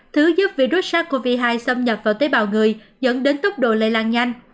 thứ giúp virus sars cov hai xâm nhập vào tế bào người dẫn đến tốc độ lây lan nhanh